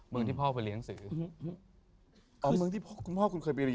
อ๋อมึงที่พ่อคุณเคยไปเรียนอย่างนี้